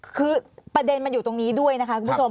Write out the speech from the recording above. คือประเด็นมันอยู่ตรงนี้ด้วยนะคะคุณผู้ชม